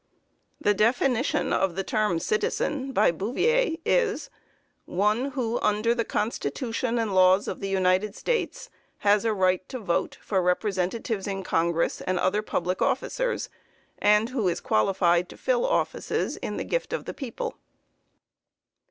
The definition of the term "citizen" by Bouvier is: "One who under the constitution and laws of the United States, has a right to vote for Representatives in Congress, and other public officers, and who is qualified to fill offices in the gift of the people."